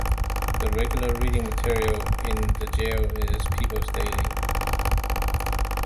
The regular reading material in the jail is "People's Daily".